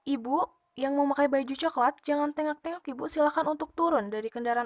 ibu yang memakai baju coklat jangan tengok tengok ibu silakan untuk turun dari kendaraan